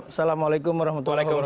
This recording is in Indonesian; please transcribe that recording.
assalamualaikum warahmatullahi wabarakatuh